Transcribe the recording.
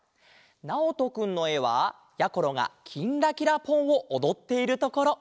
なおとくんのえはやころが「きんらきらぽん」をおどっているところ。